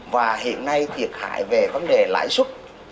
và hiện nay thiệt hại về vấn đề lãi suất